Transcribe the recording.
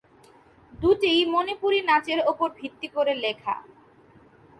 দুটিই মণিপুরী নাচের উপর ভিত্তি করে লেখা।